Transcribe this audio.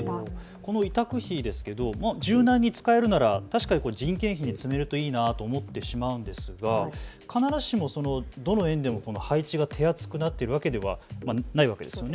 この委託費ですけれども柔軟に使えるなら確かに人件費に積めるといいなと思ってしまうんですが必ずしもどの園でも配置が手厚くなっているわけではないわけですよね。